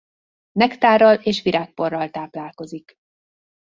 Nektárral és virágporral táplálkozik.